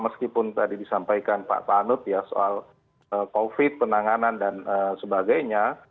meskipun tadi disampaikan pak panut ya soal covid penanganan dan sebagainya